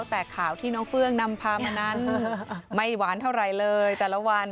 แต่ข่าวที่น้องเฟื้องนำพามานั้นไม่หวานเท่าไหร่เลยแต่ละวัน